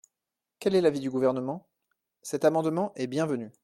Quel est l’avis du Gouvernement ? Cet amendement est bienvenu.